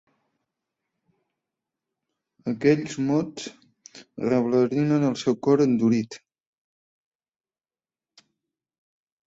Aquells mots reblaniren el seu cor endurit.